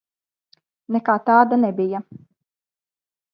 Nekā tāda nebija.